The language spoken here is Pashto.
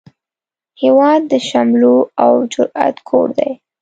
هیواد د شملو او جرئت کور دی